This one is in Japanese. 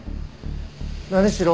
何しろ